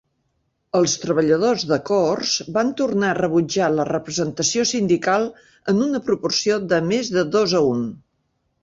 Els treballadors de Coors van tornar a rebutjar la representació sindical en una proporció de més de dos a un.